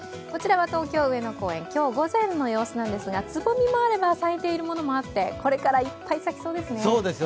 こちらは東京・上野公園、今日午前の様子なんですが、つぼみもあれば、咲いているものもあって、これからいっぱい咲きそうですね。